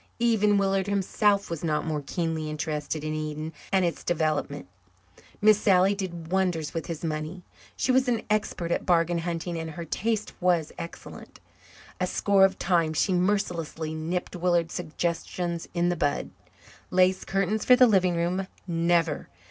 Even Willard himself was not more keenly interested in Eden and its development. Miss Sally did wonders with his money. She was an expert at bargain hunting, and her taste was excellent. A score of times she mercilessly nipped Willard's suggestions in the bud. "Lace curtains for the living room never!